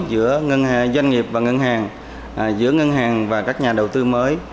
giữa ngân doanh nghiệp và ngân hàng giữa ngân hàng và các nhà đầu tư mới